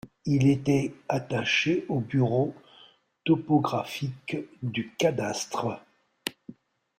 Il était attaché au bureau topographique du cadastre.